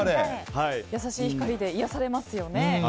優しい光で癒やされますよね。